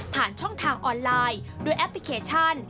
ผ่านช่องทางออนไลน์โดยแอปพลิเคชัน